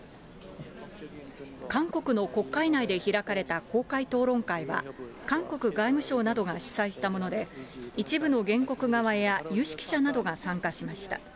韓国の国会内で開かれた公開討論会は、韓国外務省などが主催したもので、一部の原告側や有識者などが参加しました。